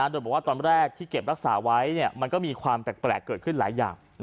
โดยบอกว่าตอนแรกที่เก็บรักษาไว้มันก็มีความแปลกเกิดขึ้นหลายอย่าง